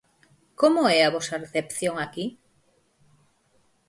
Como é a vosa recepción aquí?